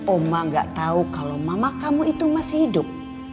oma gak tau kalo mama kamu itu masih hidup